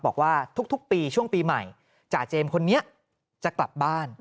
บอกว่าทุกปีช่วงปีใหม่จ่าเจมส์คนนี้จะกลับบ้าน